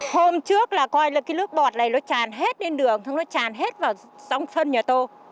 hôm trước là coi là cái nước bọt này nó chàn hết lên đường nó chàn hết vào dòng sân nhà tôi